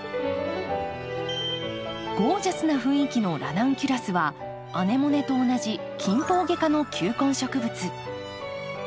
ゴージャスな雰囲気のラナンキュラスはアネモネと同じキンポウゲ科の球根植物。